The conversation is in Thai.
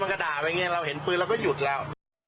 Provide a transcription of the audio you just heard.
ด่าไปอย่างนี้เราเห็นปืนเราก็หยุดแล้ว